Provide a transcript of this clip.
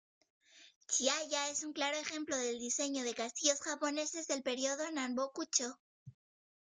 Chihaya es un claro ejemplo del diseño de castillos japoneses del Periodo Nanboku-chō.